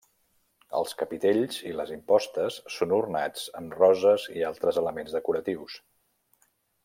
Els capitells i les impostes són ornats amb roses i altres elements decoratius.